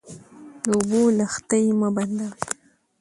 د اوبو لښتې مه بندوئ.